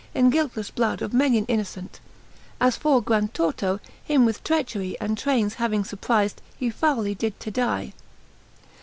In guiltlefle blood of many an innocent: As for Qrandtorto^ him with treacherie And traynes having furpriz'd, he fouly did to die.